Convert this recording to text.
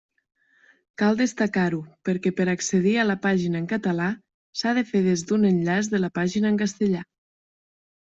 Cal destacar-ho perquè per accedir a la pàgina en català s'ha de fer des d'un enllaç de la pàgina en castellà.